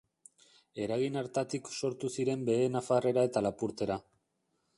Eragin hartatik sortu ziren behe-nafarrera eta lapurtera.